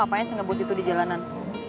lo ngapain sengebut itu di jalanan